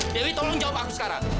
dewi tolong jawab aku sekarang